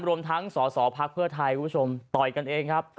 รวมทั้งสสพทคุณผู้ชมต่อยกันเองครับ